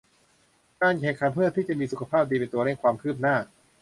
การแข่งขันเพื่อที่จะมีสุขภาพดีเป็นตัวเร่งความคืบหน้า